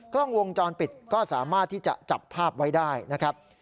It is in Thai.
กล้องวงจรปิดก็สามารถที่จะจับภาพไว้ได้นะครับ